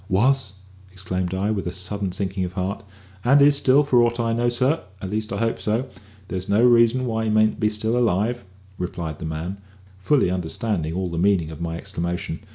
"Was?" exclaimed I, with a sudden sinking of heart. "And is still, for aught I know, sir; at least I hope so; there's no reason why he mayn't be still alive," replied the man, fully understanding all the meaning of my exclamation.